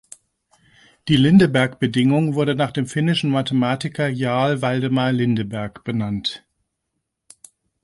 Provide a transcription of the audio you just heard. Die Lindeberg-Bedingung wurde nach dem finnischen Mathematiker Jarl Waldemar Lindeberg benannt.